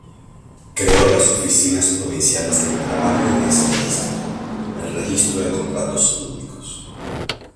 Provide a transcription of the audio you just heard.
Creó las Oficinas Provinciales del Trabajo y de Estadística, el Registro de Contratos Públicos.